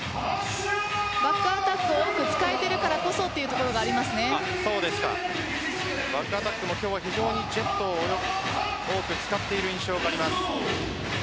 バックアタック多く使えているからこそバックアタックも今日は非常にジェットを多く使っている印象があります。